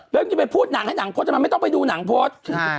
เริ่มจะไปพูดหนังให้หนังพดไม่ต้องไปดูหนังพด